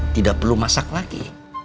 tidak perlu masak lagi